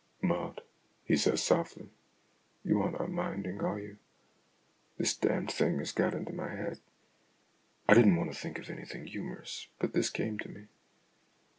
" Maud," he says softly, " you are not minding, are you? This damned thing has got into my head. I didn't want to think of anything humorous, but this came to me.